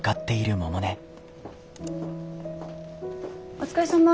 お疲れさま。